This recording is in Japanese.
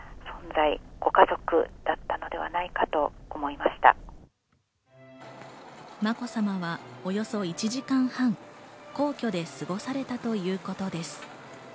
まこさまはおよそ１時間半、皇居で過ごされたということです。